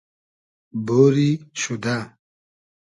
بۉری شودۂ